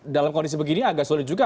dalam kondisi begini agak sulit juga